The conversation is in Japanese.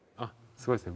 すごいですね